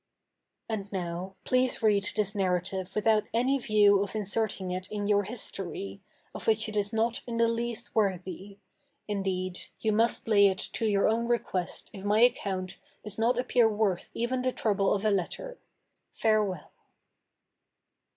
"And now, please read this narrative without any view of inserting it in your history, of which it is not in the least worthy; indeed, you must lay it to your own request if my account does not appear worth even the trouble of a letter. Farewell."